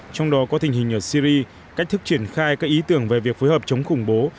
trong đó có tình hình ở syri cách thức triển khai các ý tưởng về việc phối hợp chống khủng bố